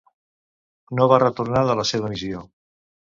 No va retornar de la seva missió.